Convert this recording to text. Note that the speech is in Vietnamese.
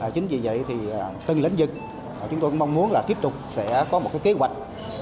chính vì vậy thì từng lĩnh vực chúng tôi cũng mong muốn là tiếp tục sẽ có một kế hoạch